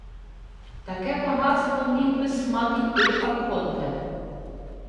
— Таке багатство міг би-с мати й ти, архонте...